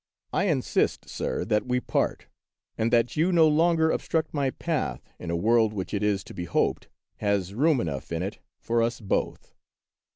I insist, sir, that we part, and that you no longer obstruct my path in a world which it is to be hoped has room enough in it for us both."